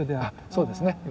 あっそうですね。